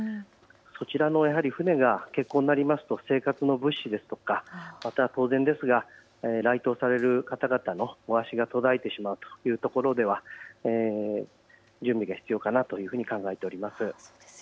そちらの船が欠航になりますと生活の物資ですとか、また当然ですが来島される方々のお足がとどまってしまうというところでは準備が必要かなというふうに考えています。